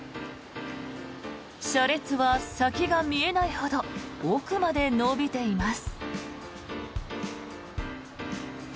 車列は先が見えないほど奥まで延びています。